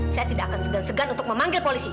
saya tidak akan segan segan untuk memanggil polisi